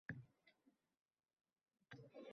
Eng chiroyli yigʼini topar.